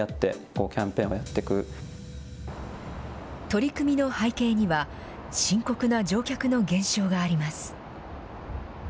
取り組みの背景には、深刻な乗客の減少があります。